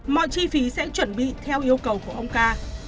mọi chi phí sẽ chuẩn bị theo yêu cầu của ông ca